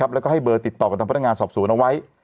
แล้วก็ให้เบอร์ติดต่อกับทางพนักงานสอบสวนเอาไว้